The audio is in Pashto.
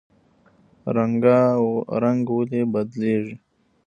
رنګ ولې بدلیږي؟